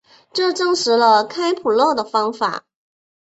这证实了开普勒的方法。